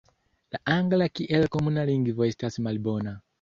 La angla kiel komuna lingvo estas malbona.